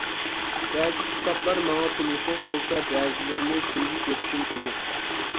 بەزى كىتابلار ماڭا تونۇشلۇق بولسا بەزىلىرىنى تۇنجى كۆرۈشۈم ئىدى.